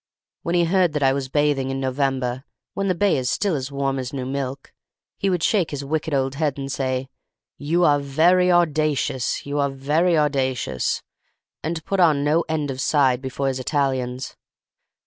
When he heard that I was bathing in November, when the bay is still as warm as new milk, he would shake his wicked old head and say, 'You are very audashuss—you are very audashuss!' and put on no end of side before his Italians.